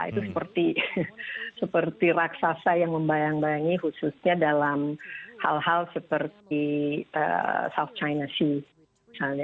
itu seperti raksasa yang membayang bayangi khususnya dalam hal hal seperti south china sea misalnya